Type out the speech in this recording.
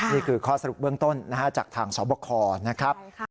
นี่คือข้อสรุปเบื้องต้นจากทางสบคนะครับ